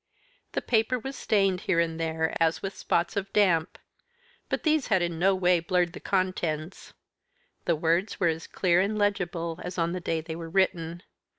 The paper was stained here and there as with spots of damp. But these had in no way blurred the contents. The words were as clear and legible as on the day they were written.